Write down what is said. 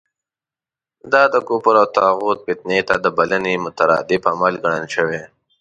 دا د کفر او طاغوت فتنې ته د بلنې مترادف عمل ګڼل شوی.